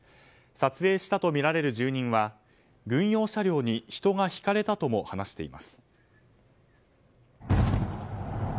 撮影したとみられる住民は軍用車両に人がひかれたとも話しています。